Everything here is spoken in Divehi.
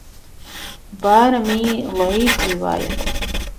ބާރަ މިއީ ޟަޢީފު ރިވާޔަތެއް